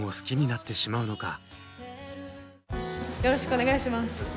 よろしくお願いします。